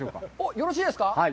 よろしいですか？